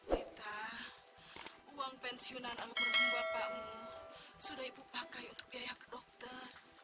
nita uang pensional ambar hum bapakmu sudah ibu pakai untuk biayak dokter